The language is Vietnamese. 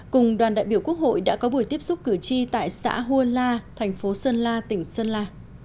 cùng đoàn đại biểu quốc hội đã có buổi tiếp xúc cử tri tại xã huôn la thành phố sơn la tỉnh sơn la